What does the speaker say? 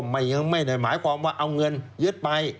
ไม่ได้หมายความว่าเอาเงินยึดไป